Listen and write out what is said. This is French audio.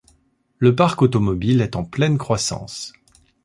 Le parc automobile est en pleine croissance.